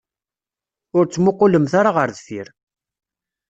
Ur ttmuqqulemt ara ɣer deffir.